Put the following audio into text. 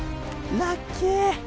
ラッキー！